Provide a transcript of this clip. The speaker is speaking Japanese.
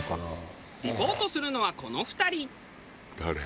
リポートするのはこの２人。